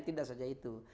tidak saja itu